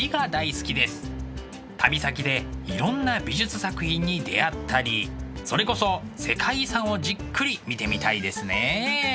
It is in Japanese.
旅先でいろんな美術作品に出会ったりそれこそ世界遺産をじっくり見てみたいですね。